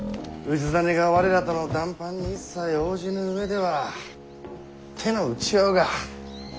氏真が我らとの談判に一切応じぬ上では手の打ちようが。